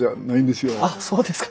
あっそうですか。